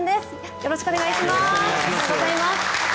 よろしくお願いします。